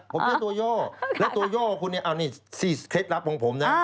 ผมแค่ตัวย่อและตัวย่อคุณเนี่ยเอานี่เคล็ดลับของผมนะ